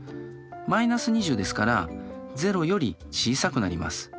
−２０ですから０より小さくなります。